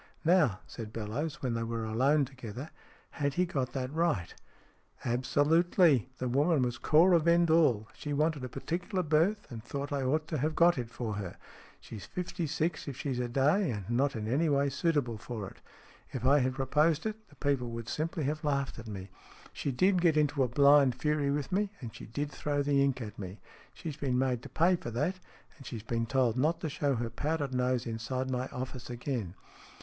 "Now," said Bellowes, when they were alone together. " Had he got that right ?" "Absolutely. The woman was Cora Vendall. She wanted a particular berth, and thought I ought to have got it for her. She's fifty six if she's a day, and not in any way suitable for it. If I had proposed it, the people would simply have laughed at me. She did get into a blind fury with me, and she did throw the ink at me. She's been made to pay for that, and she's been told not to show her powdered nose inside my office again.